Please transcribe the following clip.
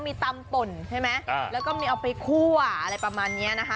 มีตำป่นใช่ไหมแล้วก็มีเอาไปคั่วอะไรประมาณนี้นะคะ